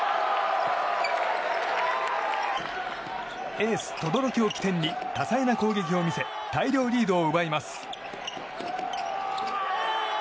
エース轟を起点に多彩な攻撃を見せ大量リードを奪います。